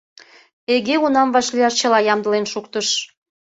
Эйге унам вашлияш чыла ямдылен шуктыш.